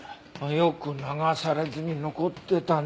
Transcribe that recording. よく流されずに残ってたね。